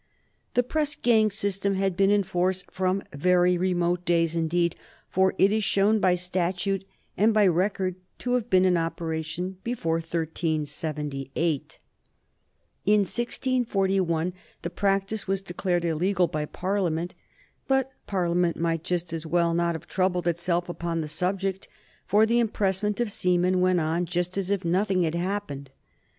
The press gang system had been in force from very remote days indeed, for it is shown by statute and by record to have been in operation before 1378. In 1641 the practice was declared illegal by Parliament; but Parliament might just as well not have troubled itself upon the subject, for the impressment of seamen went on just as if nothing had happened.